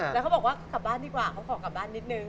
แล้วเขาบอกว่ากลับบ้านดีกว่าเขาขอกลับบ้านนิดนึง